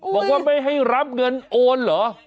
บอกว่าไม่ให้รับเงินโอนเหรอ